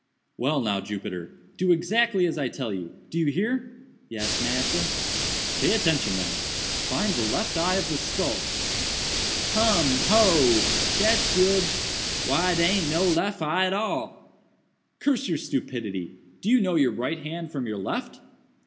"Well now, Jupiter, do exactly as I tell you—do you hear?" "Yes, massa." "Pay attention, then—find the left eye of the skull." "Hum! hoo! dat's good! why dare aint no eye lef at all." "Curse your stupidity! do you know your right hand from your left?"